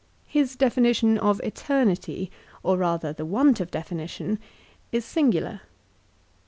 His definition of eternity, or rather the want of definition, is singular.